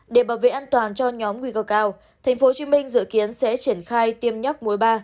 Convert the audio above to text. để bảo vệ an toàn cho nhóm nguy cơ cao tp hcm dự kiến sẽ triển khai tiêm nhắc mối ba